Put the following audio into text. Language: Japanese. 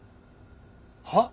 はっ？